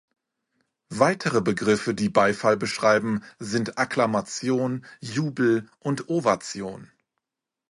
Weitere Begriffe, die Beifall beschreiben, sind Akklamation, Jubel und Ovation.